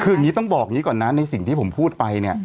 คือต้องบอกอย่างนี้ก่อนนะในสิ่งที่ผมพูดไป